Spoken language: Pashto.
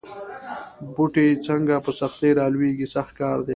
بوټی څنګه په سختۍ را لویېږي سخت کار دی.